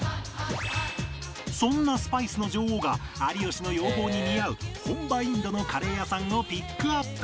そんなスパイスの女王が有吉の要望に似合う本場インドのカレー屋さんをピックアップ